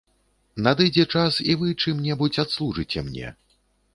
Надыдзе час, і вы чым-небудзь адслужыце мне.